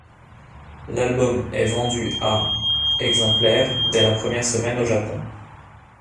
L'album est vendu à exemplaires dès la première semaine au Japon.